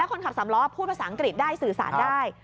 คนขับสามล้อพูดภาษาอังกฤษได้สื่อสารได้